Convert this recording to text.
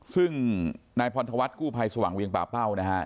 ซึ่งนายพรธวัฒนกู้ภัยสว่างเวียงป่าเป้านะฮะ